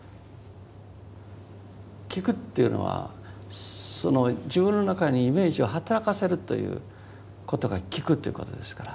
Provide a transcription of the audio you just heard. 聞くというのは自分の中にイメージを働かせるということが聞くということですから。